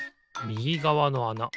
みぎがわのあな